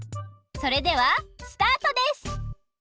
それではスタートです！